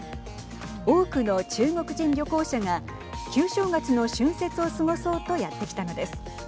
多くの中国人旅行者が旧正月の春節を過ごそうとやって来たのです。